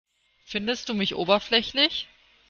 Findest du mich oberflächlich?